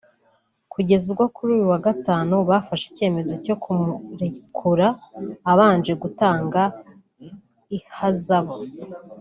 kugeza ubwo kuri uyu wa Gatanu bafashe icyemezo cyo kumurekura abanje gutanga ihazabu